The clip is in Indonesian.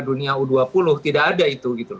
dunia u dua puluh tidak ada itu